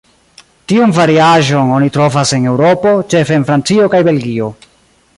Tiun variaĵon oni trovas en Eŭropo, ĉefe en Francio kaj Belgio.